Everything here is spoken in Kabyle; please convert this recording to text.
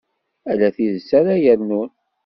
Ala tidet ara yernun.